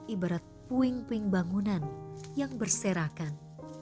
ibarat puing puing bangunan yang berserakan